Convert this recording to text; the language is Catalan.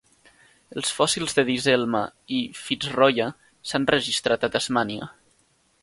Els fòssils de "Diselma" i "Fitzroya" s'han registrat a Tasmània.